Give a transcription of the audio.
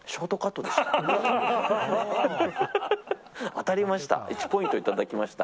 当たりました。